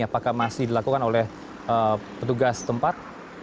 apakah masih dilakukan oleh petugas tempat